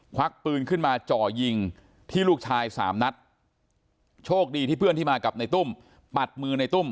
วักปืนขึ้นมาจ่อยิงที่ลูกชายสามนัดโชคดีที่เพื่อนที่มากับในตุ้มปัดมือในตุ้ม